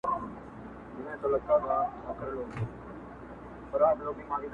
د بنگړو په شرنگهار کي يې ويده کړم,